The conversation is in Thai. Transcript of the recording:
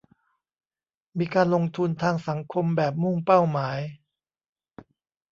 มีการลงทุนทางสังคมแบบมุ่งเป้าหมาย